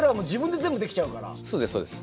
そうですそうです。